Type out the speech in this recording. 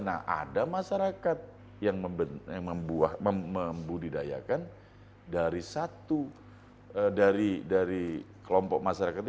nah ada masyarakat yang membudidayakan dari satu dari kelompok masyarakat itu